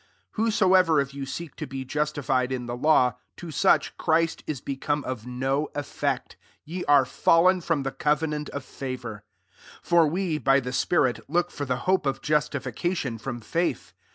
4 Whosoever of you >eek to be justified in the law, *o such Christ is become of no sflfect ; ye are fallen from the co venant q/* favour. 5 For we, by the spirit, look for the hope of justification from faith.